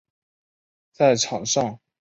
在场上的位置是中坚。